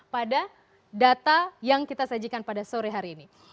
pada data yang kita sajikan pada sore hari ini